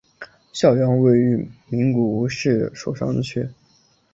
校园位于名古屋市守山区。